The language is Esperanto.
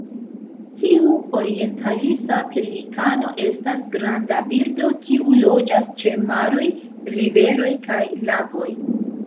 Tiu orientalisa pelikano estas granda birdo, kiu loĝas ĉe maroj, riveroj kaj lagoj.